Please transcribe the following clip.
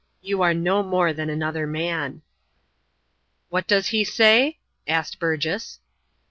"You are no more than another man." "What does he say?" asked Burgess.